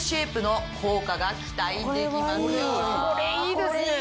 これいいですね。